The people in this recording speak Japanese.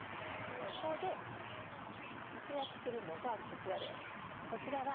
そこで活躍するのがこちらです。